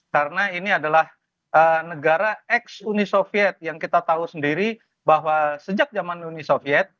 karena ini adalah negara ex uni soviet yang kita tahu sendiri bahwa sejak zaman uni soviet